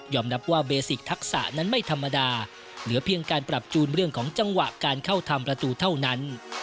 นับว่าเบสิกทักษะนั้นไม่ธรรมดาเหลือเพียงการปรับจูนเรื่องของจังหวะการเข้าทำประตูเท่านั้น